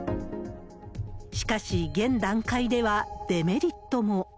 しかし、現段階ではデメリットも。